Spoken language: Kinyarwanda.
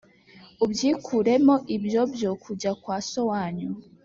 ubyikuremo ibyo byo kujya kwa so wanyu?